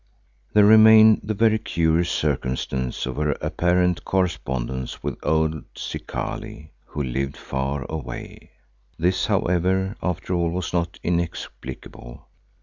There remained the very curious circumstance of her apparent correspondence with old Zikali who lived far away. This, however, after all was not inexplicable.